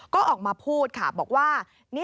ก็ออกมาพูดค่ะบอกว่า